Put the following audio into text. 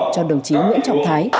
cho đồng chí nguyễn trọng thái